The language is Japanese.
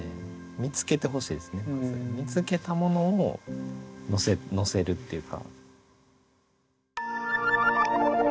見つけたものをのせるっていうか。